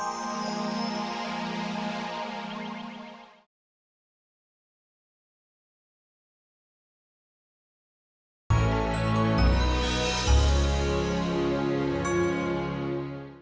tapi pak rete jenderal di kampung sina